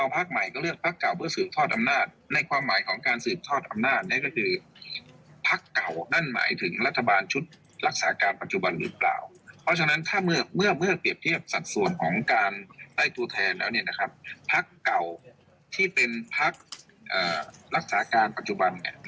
ทางพลักษณ์ที่เป็นฝ่ายประชาติตายไม่ได้อยู่แล้วครับ